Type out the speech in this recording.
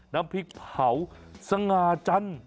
น้ำพริกเผาสง่าจันทร์